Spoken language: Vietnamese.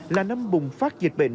là năm bùng phát dịch bệnh